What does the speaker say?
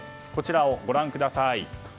こちらをご覧ください。